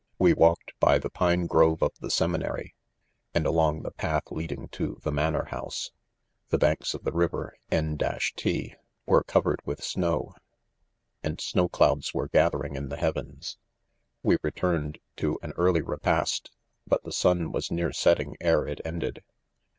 We walked by the pine grove of the seminary, and along the path leading to the " manor house." The banks of the river N ..... t were coveted with snow ; and snow clouds were gathering in the heavens. — We returned to an early repast, but the sun was near setting ere it ended.